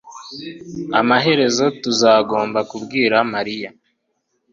Amaherezo tuzagomba kubwira mariya